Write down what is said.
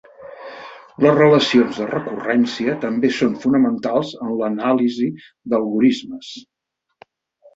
Les relacions de recurrència també són fonamentals en l'anàlisi d'algorismes.